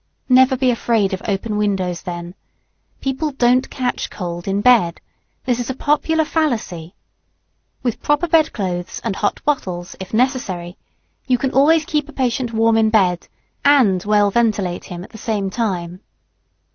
Never be afraid of open windows then. People don't catch cold in bed. This is a popular fallacy. With proper bed clothes and hot bottles, if necessary, you can always keep a patient warm in bed, and well ventilate him at the same time.